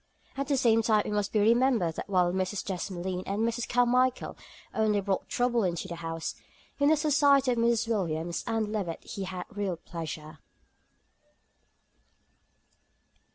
At the same time it must be remembered that while Mrs. Desmoulins and Miss Carmichael only brought trouble into the house, in the society of Mrs. Williams and Levett he had real pleasure.